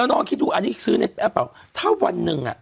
เขาลองคิดดูอันนี้ซื้อได้ป่าวถ้าวันนึงอ่ะ